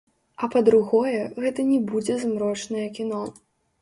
А па-другое, гэта не будзе змрочнае кіно.